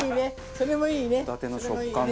それもいいね。